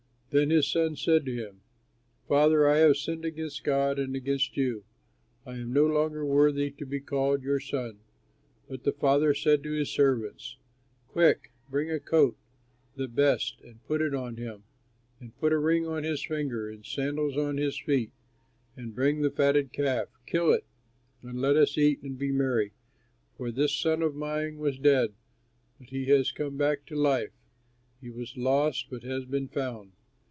Then his son said to him, 'Father, I have sinned against God and against you. I am no longer worthy to be called your son.' But the father said to his servants, 'Quick, bring a coat, the best, and put it on him and put a ring on his finger and sandals on his feet. And bring the fatted calf, kill it, and let us eat and be merry; for this son of mine was dead but has come back to life, he was lost but has been found.'